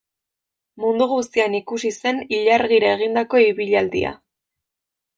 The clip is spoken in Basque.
Mundu guztian ikusi zen ilargira egindako ibilaldia.